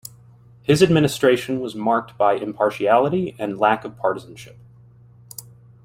His administration was marked by impartiality and lack of partisanship.